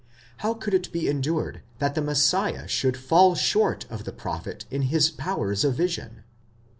How could it be endured that the Messiah should fall short of the prophet in his powers of vision?